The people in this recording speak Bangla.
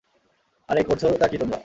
আরে করছোটা কী তোমরা?